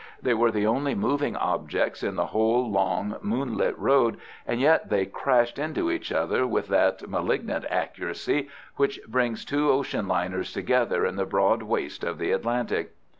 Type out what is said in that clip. They were the only moving objects in the whole long, moonlit road, and yet they crashed into each other with that malignant accuracy which brings two ocean liners together in the broad waste of the Atlantic.